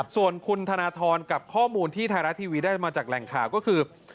ส่วนคุณธนทรกับข้อมูลที่ไทยรัฐทีวีได้มาจากแหล่งข่าวก็คือ